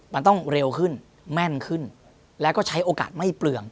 มันต้องเร็วขึ้นแม่นขึ้นแล้วก็ใช้โอกาสไม่เปลือง